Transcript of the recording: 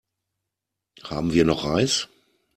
Haben wir noch Reis?